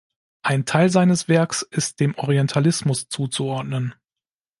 Ein Teil seines Werks ist dem Orientalismus zuzuordnen.